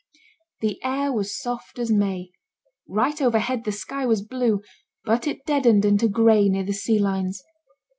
The air was soft as May; right overhead the sky was blue, but it deadened into gray near the sea lines.